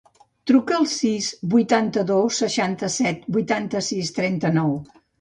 Truca al sis, vuitanta-dos, seixanta-set, vuitanta-sis, trenta-nou.